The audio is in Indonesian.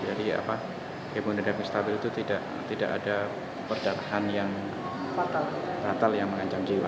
jadi hemodinamik stabil itu tidak ada perdarahan yang fatal yang mengancam jiwa